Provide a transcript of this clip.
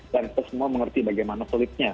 dan kita semua mengerti bagaimana sulitnya